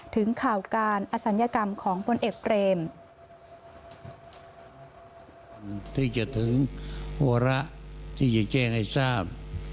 ถึงข่าวการอสัญกรรมของพลเอกเตรม